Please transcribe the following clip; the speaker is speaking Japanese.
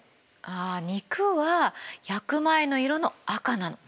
あ肉は焼く前の色の赤なの。